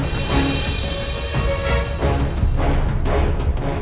tidak ada apa apa